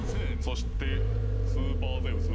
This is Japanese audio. そしてスーパーゼウス。